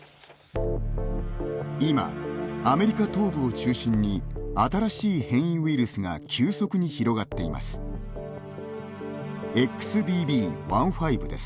今、アメリカ東部を中心に新しい変異ウイルスが急速に広がっています。